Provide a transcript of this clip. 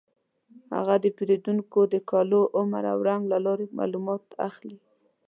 هغه د پیریدونکو د کالو، عمر او رنګ له لارې معلومات اخلي.